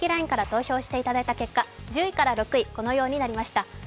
ＬＩＮＥから投票していただいた結果、１０位から６位はこうなりました。